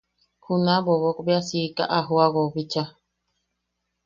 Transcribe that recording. Juna bobok bea siika a joʼawau bicha.